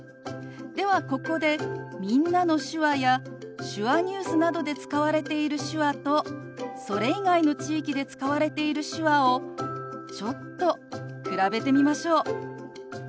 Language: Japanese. ではここで「みんなの手話」や「手話ニュース」などで使われている手話とそれ以外の地域で使われている手話をちょっと比べてみましょう。